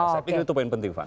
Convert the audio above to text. saya pikir itu poin penting pak